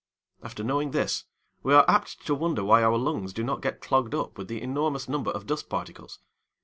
After knowing this, we are apt to wonder why our lungs do not get clogged up with the enormous number of dust particles.